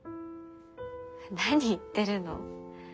何言ってるの？